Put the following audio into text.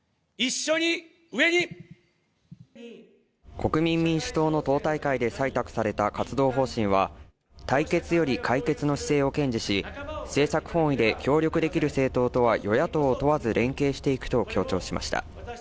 国民民主党の党大会で採択された活動方針は対決より解決の姿勢を堅持し、政策本位で協力できる政党とは与野党を問わず連携していくと強調しました。